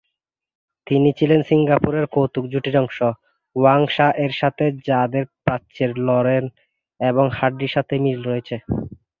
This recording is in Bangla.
তিনি ছিলেন সিঙ্গাপুরের কৌতুক জুটির অংশ, ওয়াং সা -এর সাথে, যাদের "প্রাচ্যের লরেল এবং হার্ডির" সাথে মিল রয়েছে।